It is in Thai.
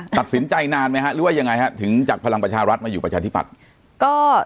ตัดสินใจนานไหมฮะหรือว่ายังไงฮะถึงจากพลังประชารัฐมาอยู่ประชาธิปัตย์ก็